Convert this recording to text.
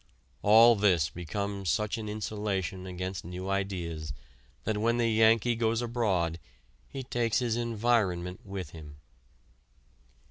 All this becomes such an insulation against new ideas that when the Yankee goes abroad he takes his environment with him.